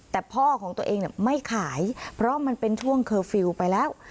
แต่พ่อของตัวเองไม่ขายเพราะมันเป็นช่วงเคอร์ฟิลล์ไปแล้ว